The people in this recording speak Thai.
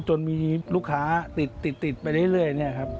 จนมีลูกค้าติดไปเรื่อยเนี่ยครับ